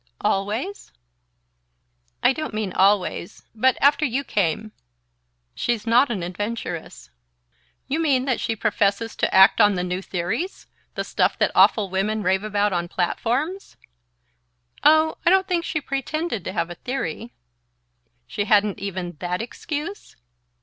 "Always?" "I don't mean always ... but after you came..." "She's not an adventuress." "You mean that she professes to act on the new theories? The stuff that awful women rave about on platforms?" "Oh, I don't think she pretended to have a theory " "She hadn't even that excuse?"